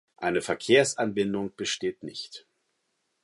Eine Verkehrsanbindung besteht nicht.